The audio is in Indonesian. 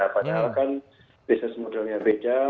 padahal kan bisnis modelnya beda